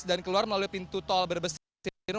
dan keluar melalui pintu tol brebes timur